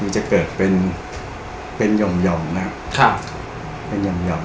มันจะเกิดเป็นเป็นหย่อมหย่อมนะครับครับเป็นหย่อมหย่อม